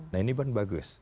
nah ini pun bagus